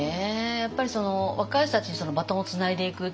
やっぱり若い人たちにバトンをつないでいくっていう。